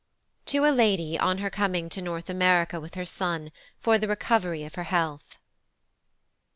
To a LADY on her coming to North America with her Son, for the Recovery of her Health.